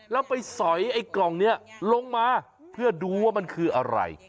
แล้วสอยเก่าไว้ลงมาเพื่อดูว่ามันคืออะไร